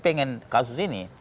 pengen kasus ini